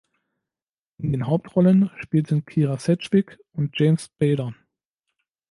In den Hauptrollen spielten Kyra Sedgwick und James Spader.